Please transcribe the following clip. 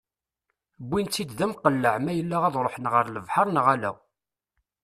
Wwin-tt-id d amqelleɛ ma yella ad ruḥen ɣer lebḥer neɣ ala.